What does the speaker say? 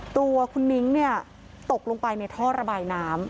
ตัวคุณนิ้งตกลงไปในท่อระบายน้ำ